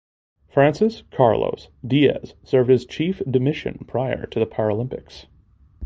Francis Carlos Diaz served as chef de mission prior to the Paralympics.